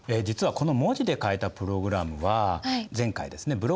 実はこの文字で書いたプログラムは前回ですね